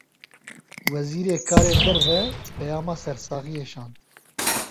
Wezîrê karên derve, peyama sersaxiyê şand